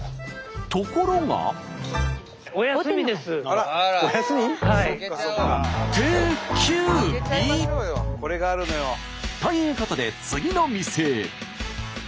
ところが。ということで次の店へ。